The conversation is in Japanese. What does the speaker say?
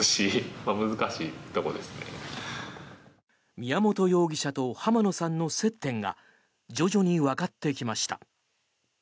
宮本容疑者と浜野さんの接点が徐々にわかってきました。